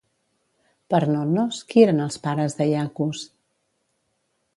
Per Nonnos, qui eren els pares de Iacus?